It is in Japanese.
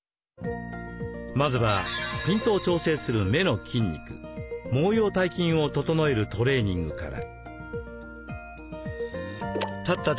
まずはピントを調整する目の筋肉毛様体筋を整えるトレーニングから。